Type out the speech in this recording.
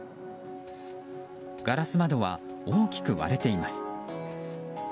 ガラス窓は大きく割れています。